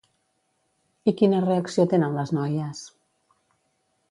I quina reacció tenen les noies?